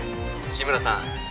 志村さん